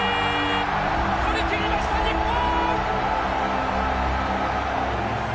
取り切りました日本！